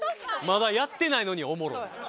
まだやってないのにおもろい。